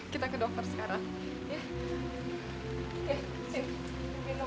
kita ke dokter sekarang